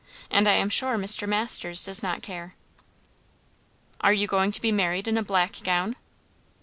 "And I am sure Mr. Masters does not care." "Are you going to be married in a black gown?"